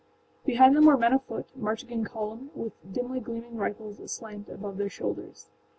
Behind them were men afoot, marching in column, with dimly gleaming rifles aslant above their shoulders.